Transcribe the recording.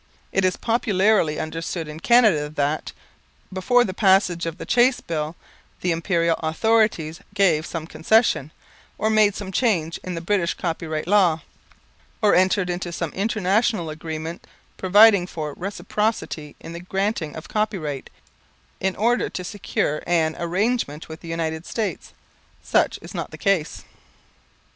It is popularly understood in Canada that, before the passage of the Chace Bill, the Imperial authorities gave some concession, or made some change in the British Copyright Law, or entered into some International Agreement providing for reciprocity in the granting of copyright, in order to secure an arrangement with the United States. Such is not the case.